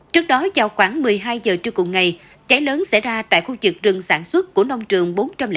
trước đó vào khoảng một mươi hai giờ trưa cùng ngày cháy lớn xảy ra tại khu vực rừng sản xuất của nông trường bốn trăm linh tám